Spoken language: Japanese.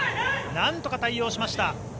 なんとか対応しました。